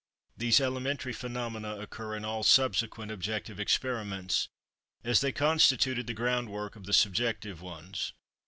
These elementary phenomena occur in all subsequent objective experiments, as they constituted the groundwork of the subjective ones.